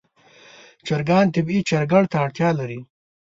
چرګان طبیعي چرګړ ته اړتیا لري.